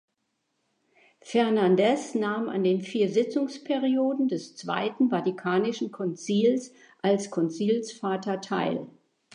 Fernandes nahm an den vier Sitzungsperioden des Zweiten Vatikanischen Konzils als Konzilsvater teil.